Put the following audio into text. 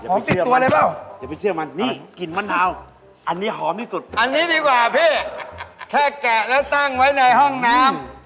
แค่แกะแล้วตั้งไว้ในห้องน้ำ